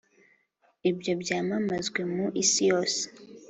Ibyo byamamazwe mu isi yose